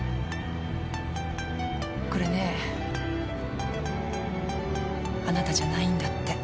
これねあなたじゃないんだって。